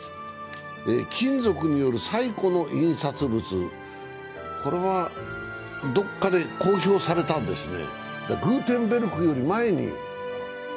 金属による最古の印刷物、これはどこかで公表されたんですね。